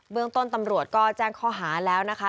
เมืองต้นตำรวจก็แจ้งข้อหาแล้วนะคะ